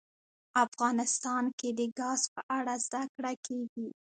افغانستان کې د ګاز په اړه زده کړه کېږي.